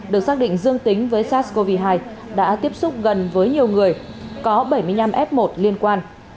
được xác định dương tính với sars cov hai đã tiếp xúc gần với nhiều người có bảy mươi năm f một liên quan